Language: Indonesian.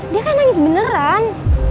dia kan nangis beneran